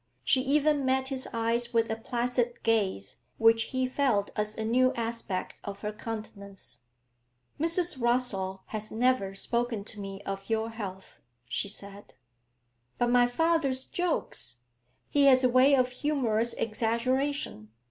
She even met his eyes with a placid gaze which he felt as a new aspect of her countenance. 'Mrs. Rossall has never spoken to me of your health,' she said. 'But my father's jokes; he has a way of humorous exaggeration.